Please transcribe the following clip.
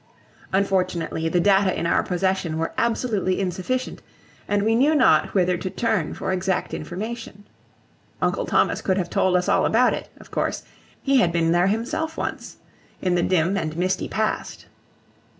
Unfortunately, the data in our possession were absolutely insufficient, and we knew not whither to turn for exact information. Uncle Thomas could have told us all about it, of course; he had been there himself, once, in the dim and misty past.